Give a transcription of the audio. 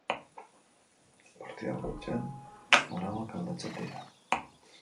Partida bakoitzean arauak aldatzen dira.